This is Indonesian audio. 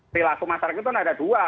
perilaku masyarakat itu kan ada dua